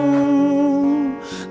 aku merindu kuyakin kau tahu